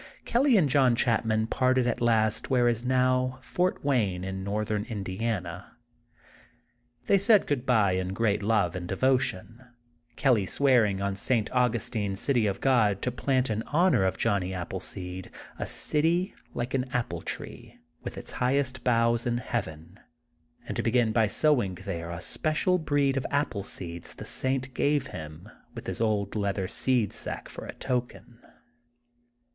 Kelly and John Chapman parted at last where is now Fort Wayne in Northern Indiana, They said goodbye" in great love and devotion, Kelly swearing on St. Augustine's *'City of God" to plant in honor of Johnny Appleseed, a city like an apple tree, with its highest boughs in Heaven, and to begin by sowing there a ppecial breed of apple seeds the saint g^fve him with his old leather seed sack for a token.